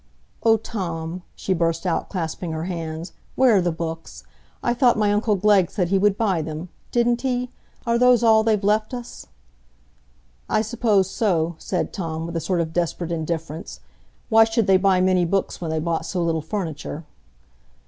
"Oh, Tom!" she burst out, clasping her hands, "where are the books? I thought my uncle Glegg said he would buy them. Didn't he? Are those all they've left us?" "I suppose so," said Tom, with a sort of desperate indifference. "Why should they buy many books when they bought so little furniture?"